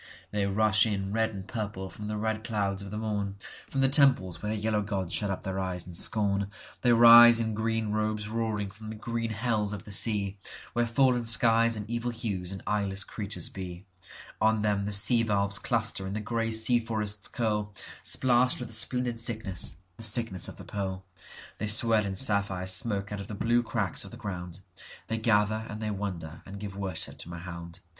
They rush in red and purple from the red clouds of the morn, From the temples where the yellow gods shut up their eyes in scorn; They rise in green robes roaring from the green hells of the seaWhere fallen skies and evil hues and eyeless creatures be, On them the sea valves cluster and the grey sea forests curl, Splashed with a splendid sickness, the sickness of the pearl; They swell in sapphire smoke out of the blue cracks of the ground,—They gather and they wonder and give worship to Mahound.